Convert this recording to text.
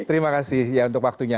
terima kasih ya untuk waktunya